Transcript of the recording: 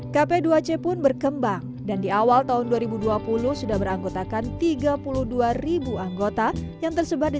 kp dua c pun berkembang dan di awal tahun dua ribu dua puluh sudah beranggotakan tiga puluh dua anggota yang tersebar di